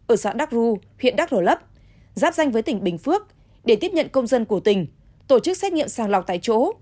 ở xã đắk ru huyện đắk rồi lấp giáp danh với tỉnh bình phước để tiếp nhận công dân của tỉnh tổ chức xét nghiệm sàng lọc tại chỗ